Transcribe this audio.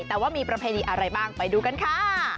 แต่ว่ามีประเพณีอะไรบ้างไปดูกันค่ะ